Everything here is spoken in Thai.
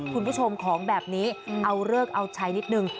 คุณผู้ชมของแบบนี้เอาเลิกเอาใช้นิดนึง